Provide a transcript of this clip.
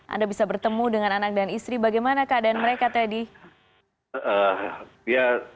anda bisa bertemu dengan anak dan istri bagaimana keadaan mereka teddy